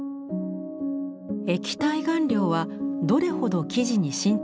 液体顔料はどれほど生地に浸透しやすいのか。